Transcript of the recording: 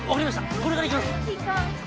これから行きます。